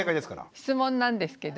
質問なんですけど。